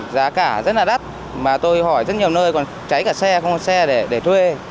giá cả rất là đắt mà tôi hỏi rất nhiều nơi còn cháy cả xe không còn xe để thuê